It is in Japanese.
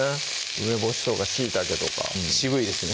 梅干しとかしいたけとか渋いですね